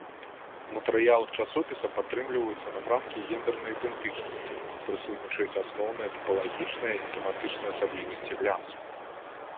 У матэрыялах часопіса падтрымліваюцца напрамкі гендэрнай ідэнтычнасці, прысутнічаюць асноўныя тыпалагічныя і тэматычныя асаблівасці глянцу.